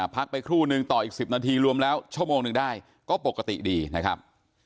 พักไปครู่นึงต่ออีก๑๐นาทีรวมแล้วชั่วโมงหนึ่งได้ก็ปกติดีนะครับ